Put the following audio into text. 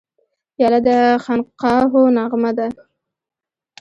پیاله د خانقاهو نغمه ده.